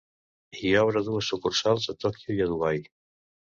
I obre dues sucursals a Tòquio i a Dubai.